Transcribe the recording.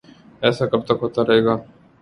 ایسا کب تک ہوتا رہے گا؟